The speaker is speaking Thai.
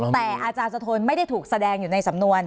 แต่อาจารย์สะทนไม่ได้ถูกแสดงอยู่ในสำนวน